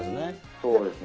そうですね。